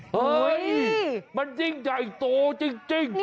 เฮ้ยมันยิ่งใหญ่โตจริง